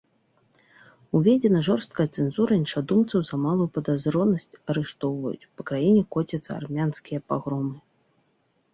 Уведзена жорсткая цэнзура, іншадумцаў за малую падазронасць арыштоўваюць, па краіне коцяцца армянскія пагромы.